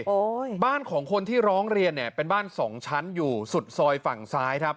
บ้านของคนที่ร้องเรียนเนี่ยเป็นบ้านสองชั้นอยู่สุดซอยฝั่งซ้ายครับ